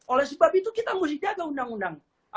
oleh sebab itu kita mesti jaga undang undang